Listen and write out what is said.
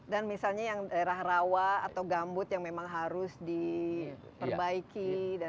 dan misalnya yang daerah rawa atau gambut yang memang harus diperbaiki